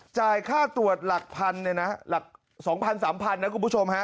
จ่ายค่าตรวจหลักพันธุ์หลัก๒๐๐๐๓๐๐๐นะครับคุณผู้ชมฮะ